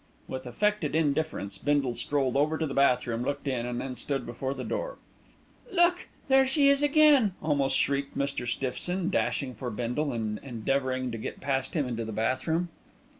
With affected indifference Bindle strolled over to the bathroom, looked in and then stood before the door. "Look! there she is again!" almost shrieked Mr. Stiffson, dashing for Bindle and endeavouring to get past him into the bathroom.